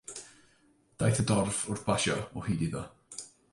Daeth y dorf, wrth basio, o hyd iddo.